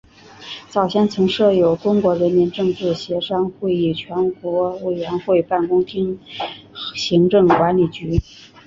早先曾设有中国人民政治协商会议全国委员会办公厅行政管理局。